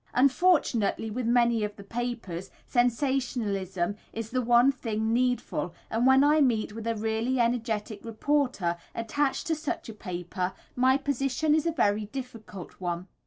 Unfortunately, with many of the papers, sensationalism is the one thing needful, and when I meet with a really energetic reporter attached to such a paper my position is a very difficult one.